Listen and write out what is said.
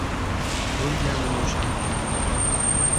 O‘lganim o‘shal kundir!